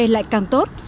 lại càng tốt